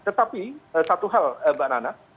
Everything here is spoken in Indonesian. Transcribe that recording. tetapi satu hal mbak nana